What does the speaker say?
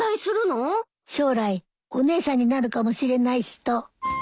将来お姉さんになるかもしれない人。